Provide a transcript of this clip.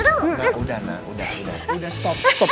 udah udah udah udah stop stop stop